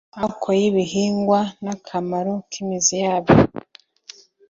amoko y'ibihingwa n'akamaro k'imizi yabyo